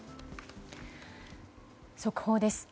速報です。